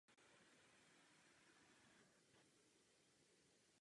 Isabela s rodinou byla nucena odjet do exilu.